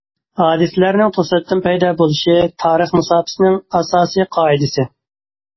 ھادىسىلەرنىڭ توساتتىن پەيدا بولۇشى، تارىخ مۇساپىسىنىڭ ئاساسى قائىدىسى.